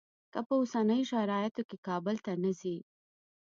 که په اوسنیو شرایطو کې کابل ته نه ځې.